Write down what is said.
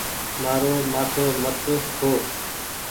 مآرو مآٿو مت کو۔